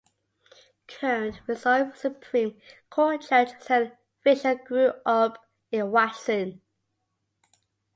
Current Missouri Supreme Court Judge Zel Fischer grew up in Watson.